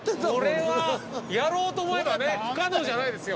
これはやろうと思えばね不可能じゃないですよ。